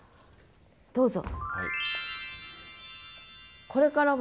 どうぞ。